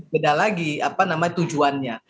beda lagi apa namanya tujuannya